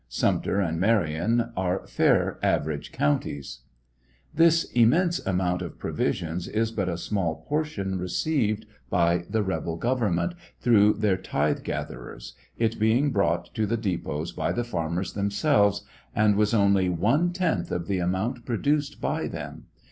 Sumter and Marion are fair aver age counties. This immense amount of provisions is but a small portion received by the rebel government through their tithe gatherers, it being brought to the depots by the farmers themselves, and was only one tenth of the amount produced by them.